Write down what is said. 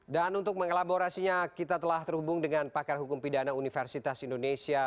dan untuk mengelaborasinya kita telah terhubung dengan pakar hukum pidana universitas indonesia